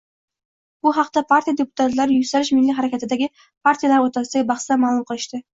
Bu haqda partiya deputatlari Yuksalish milliy harakatidagi partiyalar o'rtasidagi bahsda ma'lum qilishdi